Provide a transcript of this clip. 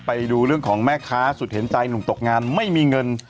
ไปดูเรื่องของแม่ค้าสุดเห็นใจหนุ่มตกงานไม่มีเงิน